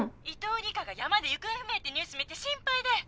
伊藤里香が山で行方不明ってニュース見て心配で。